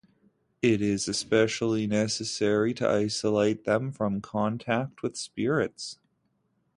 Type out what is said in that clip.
It is especially necessary to isolate them from contact with spirits.